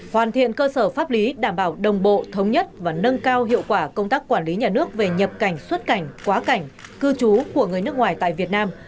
hoàn thiện cơ sở pháp lý đảm bảo đồng bộ thống nhất và nâng cao hiệu quả công tác quản lý nhà nước về nhập cảnh xuất cảnh quá cảnh cư trú của người nước ngoài tại việt nam